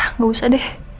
nggak usah deh